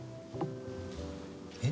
えっ？